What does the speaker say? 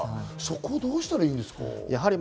そこ、どうしたらいいですか？